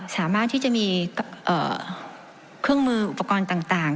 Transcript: สามารถที่จะมีเครื่องมืออุปกรณ์ต่าง